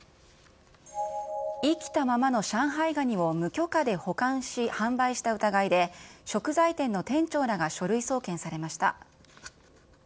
生きたままの上海ガニを無許可で保管し、販売した疑いで、食材店の店長らが書類送検されました。